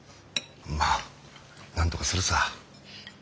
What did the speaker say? まあなんとかするさ。